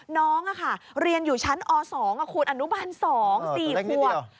น้องเรียนอยู่ชั้นอ๒คุณอนุบาล๒๔ขวบ